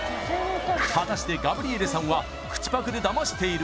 果たしてガブリエレさんは口パクでダマしている？